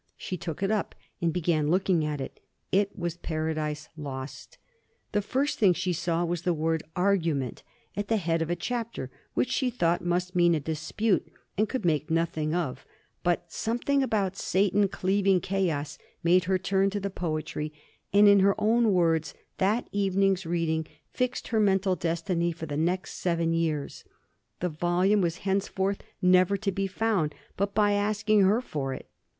She took it up, and began looking at it. It was Paradise Lost. The first thing she saw was the word "Argument" at the head of a chapter, which she thought must mean a dispute, and could make nothing of; but something about Satan cleaving Chaos made her turn to the poetry, and, in her own words, that evening's reading fixed her mental destiny for the next seven years; the volume was henceforth never to be found, but by asking her for it.